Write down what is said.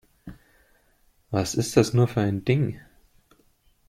Was ist das nur für ein Ding?